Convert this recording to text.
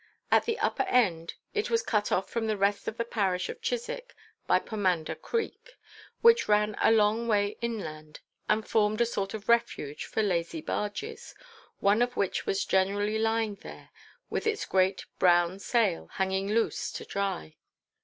At the upper end it was cut off from the rest of the parish of Chiswick by Pomander Creek, which ran a long way inland and formed a sort of refuge for lazy barges, one of which was generally lying there with its great brown sail hanging loose to dry.